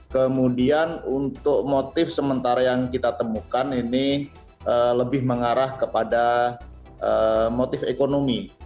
kemudian untuk motif sementara yang kita temukan ini lebih mengarah kepada motif ekonomi